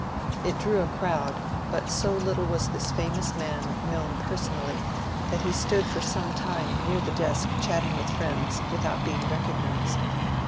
It drew a crowd, but so little was this famous man known personally that he stood for some time near the desk chatting with friends without being recognized.